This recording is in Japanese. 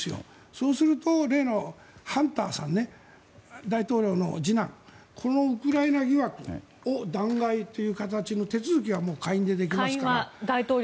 そうすると例のハンターさん大統領の次男そのウクライナ疑惑を弾劾という形は下院でできますから。